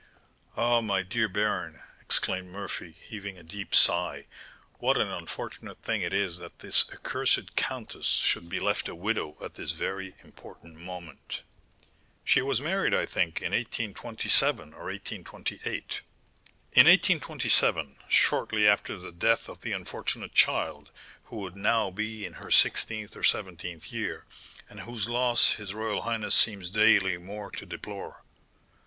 "Ah! my dear baron," exclaimed Murphy, heaving a deep sigh, "what an unfortunate thing it is that this accursed countess should be left a widow at this very important moment!" "She was married, I think, in 1827 or 1828?" "In 1827, shortly after the death of the unfortunate child, who would now be in her sixteenth or seventeenth year, and whose loss his royal highness seems daily more to deplore."